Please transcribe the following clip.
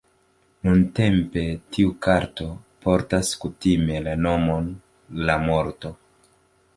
Nuntempe tiu karto portas kutime la nomon "La Morto".